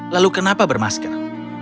lalu kenapa bermasker